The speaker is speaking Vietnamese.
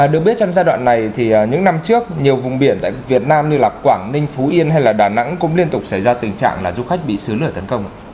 được biết trong giai đoạn này thì những năm trước nhiều vùng biển tại việt nam như quảng ninh phú yên hay đà nẵng cũng liên tục xảy ra tình trạng là du khách bị xứ lửa tấn công ạ